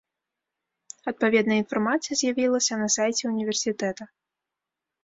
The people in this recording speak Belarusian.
Адпаведная інфармацыя з'явілася на сайце ўніверсітэта.